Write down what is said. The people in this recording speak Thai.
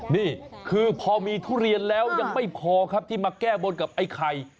นี่คือพอมีทุเรียนแล้วยังไม่พอครับที่มาแก้บนกับไอ้ไข่